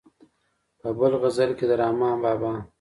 په بل غزل کې د رحمان بابا.